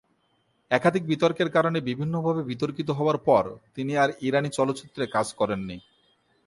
একাধিক বিতর্কের কারণে বিভিন্নভাবে বিতর্কিত হবার পর তিনি আর ইরানি চলচ্চিত্রে কাজ করেন নি।